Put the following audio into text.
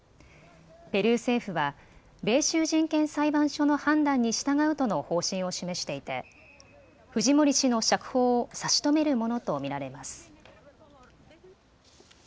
ペルー政府は米州人権裁判所の判断に従うとの方針を示していてフジモリ氏の釈放を差し止めるものと見られます。